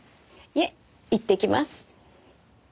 いえいってきます。